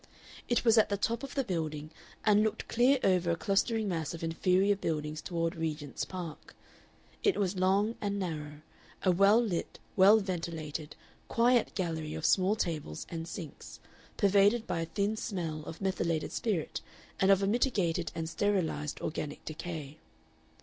It was at the top of the building, and looked clear over a clustering mass of inferior buildings toward Regent's Park. It was long and narrow, a well lit, well ventilated, quiet gallery of small tables and sinks, pervaded by a thin smell of methylated spirit and of a mitigated and sterilized organic decay.